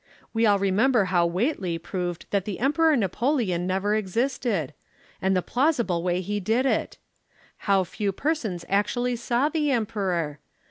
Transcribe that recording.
"We all remember how Whateley proved that the Emperor Napoleon never existed and the plausible way he did it. How few persons actually saw the Emperor?